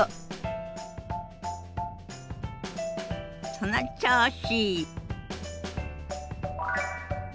その調子！